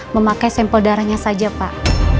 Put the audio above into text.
memakai sampel darahnya saja pak